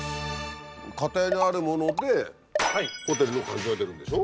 家庭にあるものでホテルの味が出るんでしょ？